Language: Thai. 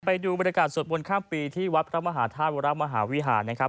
ไปดูบรรยากาศสวดมนต์ข้ามปีที่วัดพระมหาธาตุวรมหาวิหารนะครับ